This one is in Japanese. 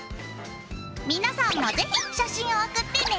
皆さんも是非写真を送ってね！